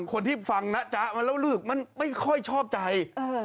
คนที่ฟังนะจ๊ะมาแล้วเลิกมันไม่ค่อยชอบใจ